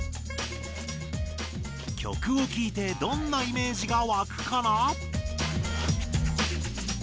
曲をきいてどんなイメージがわくかな？